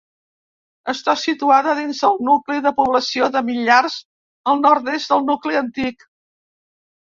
Està situada dins del nucli de població de Millars, al nord-est del nucli antic.